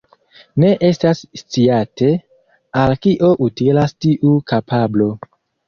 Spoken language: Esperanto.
Ne estas sciate, al kio utilas tiu kapablo.